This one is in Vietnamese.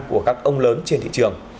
của các ông lớn trên thị trường